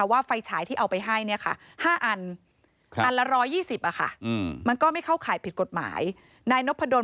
ว่าไฟฉายที่เอาไปให้๕อัน